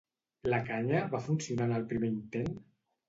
La canya va funcionar en el primer intent?